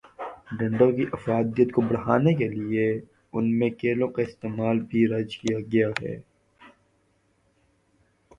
ڈنڈوں کی افادیت کو بڑھانے کیلئے ان میں کیلوں کا استعمال بھی رائج کیا گیا۔